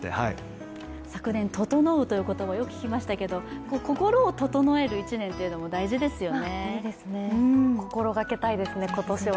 昨年「ととのう」ということもよく聞きましたけど心をととのえる１年というのも大事ですよね。